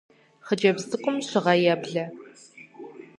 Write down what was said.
Хъыджэбз цӀыкӀум щыгъэ еблэ.